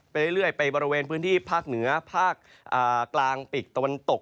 ไปเรื่อยไปบริเวณพื้นที่ภาคเหนือภาคกลางปีกตะวันตก